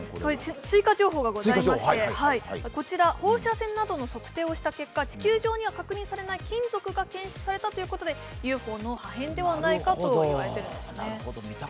追加情報がございまして、こちら放射線などの測定をした結果、地球上には確認されない金属が検出されたということでＵＦＯの破片ではないかといわれているんですね。